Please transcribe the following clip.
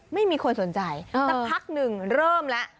ไม่มีคนสนใจสักพักหนึ่งเริ่มแล้ว